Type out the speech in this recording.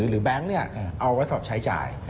แบงค์เอาไว้สอบใช้จ่าย